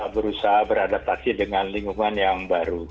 berusaha beradaptasi dengan lingkungan yang baru